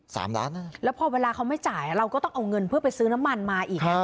สามล้านแล้วพอเวลาเขาไม่จ่ายเราก็ต้องเอาเงินเพื่อไปซื้อน้ำมันมาอีกไง